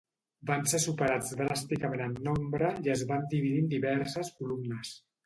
Van ser superats dràsticament en nombre i es van dividir en diverses columnes.